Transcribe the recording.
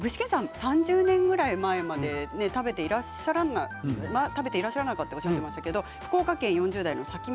３０年ぐらい前まで食べてらっしゃらなかったとおっしゃっていましたが福岡県４０代の方です。